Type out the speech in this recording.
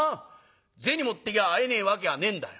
銭持ってきゃ会えねえわけがねえんだよ。